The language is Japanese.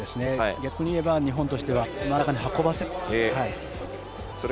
逆に言えば日本としては真ん中に運ばせない。